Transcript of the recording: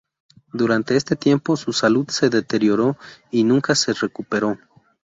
Durante este tiempo, su salud se deterioró, y nunca se recuperó.